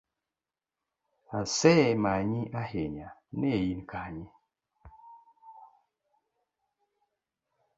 Asemanyi ahinya, nein kanye?